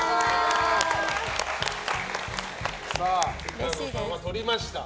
板野さんはとりました。